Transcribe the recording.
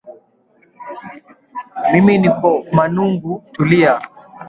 mimi niko manungu tulia